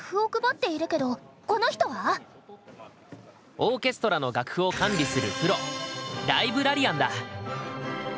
オーケストラの楽譜を管理するプロ「ライブラリアン」だ。